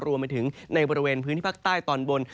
รวมไปถึงในบริเวณพื้นที่ภาคใต้ตอนบน